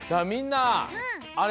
みんな。